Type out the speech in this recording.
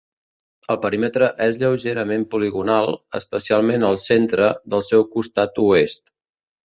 El perímetre és lleugerament poligonal, especialment al centre del seu costat oest.